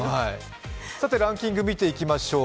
ランキングを見ていきましょう。